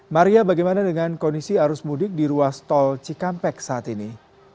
maria bagaimana dengan kondisi arus mudik di ruas tol cikampek saat ini